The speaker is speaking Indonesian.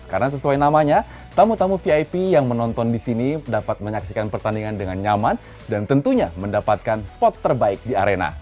karena sesuai namanya tamu tamu vip yang menonton di sini dapat menyaksikan pertandingan dengan nyaman dan tentunya mendapatkan spot terbaik di arena